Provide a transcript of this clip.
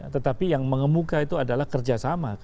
tetapi yang mengemuka itu adalah kerjasama